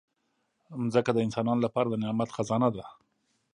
مځکه د انسانانو لپاره د نعمت خزانه ده.